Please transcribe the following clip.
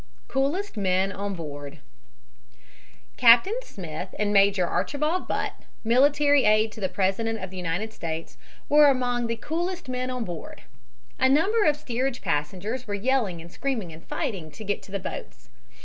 COOLEST MEN ON BOARD Captain Smith and Major Archibald Butt, military aide to the President of the United States, were among the coolest men on board. A number of steerage passengers were yelling and screaming and fighting to get to the boats.